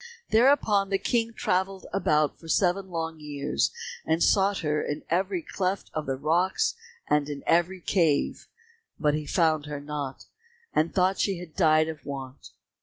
Thereupon the King travelled about for seven long years, and sought her in every cleft of the rocks and in every cave, but he found her not, and thought she had died of want.